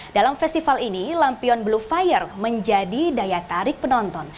dalam festival ini lampion blue fire menjadi daya tarik penonton